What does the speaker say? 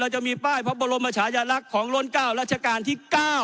จะมีป้ายพระบรมชายลักษณ์ของล้น๙รัชกาลที่๙